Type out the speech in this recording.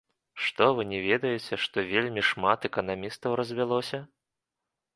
Вы што, не ведаеце, што вельмі шмат эканамістаў развялося?